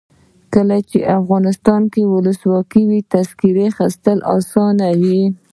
کله چې افغانستان کې ولسواکي وي تذکره اخیستل اسانه وي.